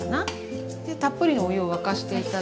でたっぷりのお湯を沸かして頂いて。